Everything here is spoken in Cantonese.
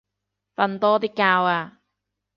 瞓多啲覺啊